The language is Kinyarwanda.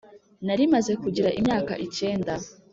narimaze kugira imyaka icyenda.